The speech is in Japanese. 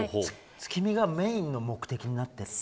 月見がメーンの目的になって。